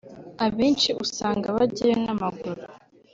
Abenshi usanga bajyayo n’amaguru